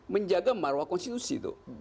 menjaga marwah konstitusi